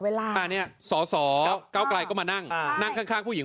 เวลาตอนเนี้ยสอสอเก้าไกลเข้ามานั่งอ่านั่งข้างข้างผู้หญิง